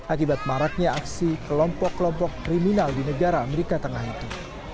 akibat maraknya aksi kelompok kelompok kriminal di negara amerika tengah itu